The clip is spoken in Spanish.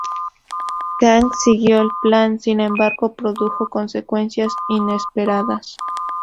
Jang siguió el plan, sin embargo, produjo consecuencias inesperadas.